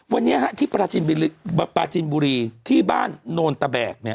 วันนี้ที่ปราจินบุรีที่บ้านโนนตะแบก